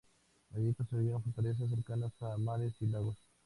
Allí construyeron fortalezas cercanas a mares y lagos.